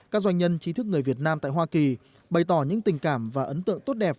các doanh nhân trí thức người việt nam tại hoa kỳ bày tỏ những tình cảm và ấn tượng tốt đẹp